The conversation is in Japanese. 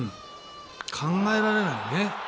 考えられないよね。